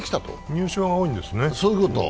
入賞が多いんですね。